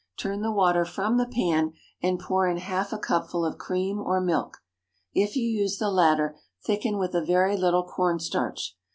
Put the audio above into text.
Turn the water from the pan and pour in half a cupful of cream or milk. If you use the latter, thicken with a very little corn starch.